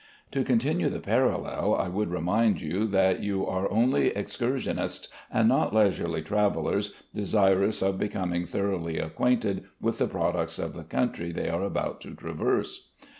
To continue the parallel, I would remind you that you are only excursionists, and not leisurely travellers desirous of becoming thoroughly acquainted with the products of the country they are about to traverse.